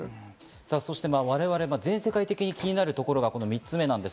そして我々、全世界的に気になるところが３つ目です。